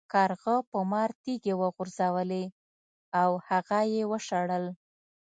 کارغه په مار تیږې وغورځولې او هغه یې وشړل.